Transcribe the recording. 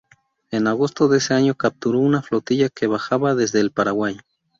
En agosto de ese año capturó una flotilla que bajaba desde el Paraguay.